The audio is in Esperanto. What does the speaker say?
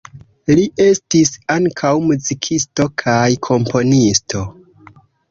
Li estis ankaŭ muzikisto kaj komponisto.